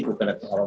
sudah terlalu awam